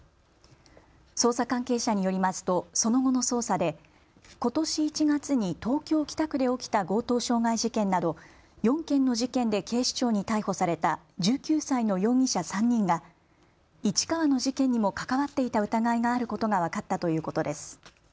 捜査関係者によりますとその後の捜査でことし１月に東京北区で起きた強盗傷害事件など４件の事件で警視庁に逮捕された１９歳の容疑者３人が市川の事件にも関わっていた疑いがあることが分かったということです。